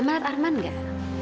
mama arman gak